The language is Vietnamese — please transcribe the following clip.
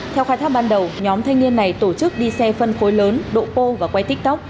theo khai thác ban đầu nhóm thanh niên này tổ chức đi xe phân khối lớn độ pô và quay tiktok